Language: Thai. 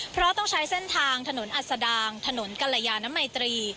เพราะต้องใช้เส้นทางถนนอัศดางถนนกรยานมัยตรี